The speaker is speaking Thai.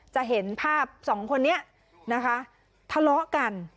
จะเห็นภาพสองคนนี้นะคะทะเลาะกัน